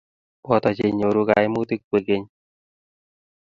boto che nyoru kaimutik kwekeny